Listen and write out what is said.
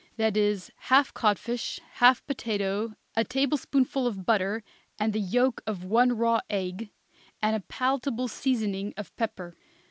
That is, half codfish, half potato, a tablespoonful of butter and the yolk of one raw egg, and a palatable seasoning of pepper.